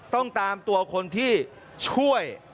ต้องตามตัวคนที่ช่วย